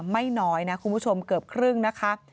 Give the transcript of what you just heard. ไม่น้อยนะคุณผู้ชมเกือบครึ่งนะคะ